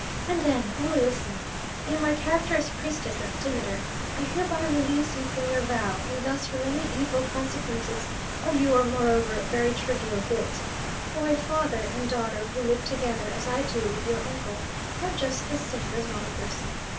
And then, only listen! In my character as priestess of Demeter I hereby release you from your vow, and thus from any evil consequences of your, moreover, very trivial guilt; for a father and daughter who live together, as I do with your uncle, are just the same as one person.